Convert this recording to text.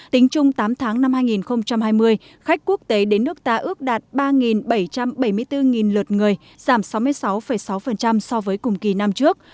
tính chung tám tháng năm hai nghìn hai mươi khách quốc tế đến nước ta ước đạt ba bảy trăm bảy mươi bốn lượt người giảm sáu mươi sáu sáu so với cùng kỳ năm trước